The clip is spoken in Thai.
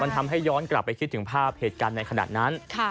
ทำให้ย้อนกลับไปคิดถึงภาพเหตุการณ์ในขณะนั้น